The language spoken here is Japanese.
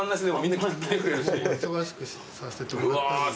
忙しくさせてもらったので。